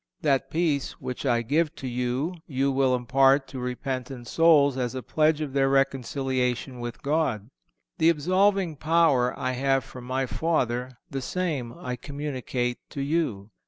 (441) That peace which I give to you you will impart to repentant souls as a pledge of their reconciliation with God. The absolving power I have from My Father, the same I communicate to you.